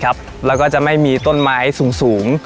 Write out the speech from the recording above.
แล้วก็จะไม่มีต้นไม้สูง